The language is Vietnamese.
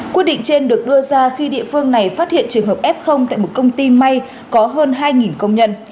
quyết định trên được đưa ra khi địa phương này phát hiện trường hợp f tại một công ty may có hơn hai công nhân